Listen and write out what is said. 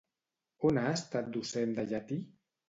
On ha estat docent de llatí?